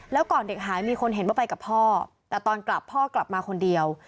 แล้วก่อนเด็กหายมีคนเห็นว่าไปกับพ่อแต่ตอนกลับพ่อกลับมาคนเดียว